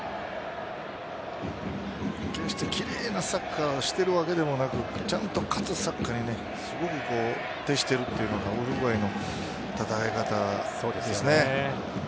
決して奇麗なサッカーをしているわけでもなくちゃんと勝つサッカーに徹底しているのがウルグアイの戦い方ですね。